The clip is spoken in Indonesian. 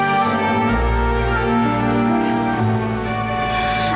kita duduk dulu ya oma